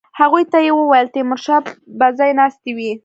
هغوی ته یې وویل تیمورشاه به ځای ناستی وي.